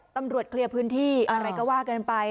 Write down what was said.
เคลียร์พื้นที่อะไรก็ว่ากันไป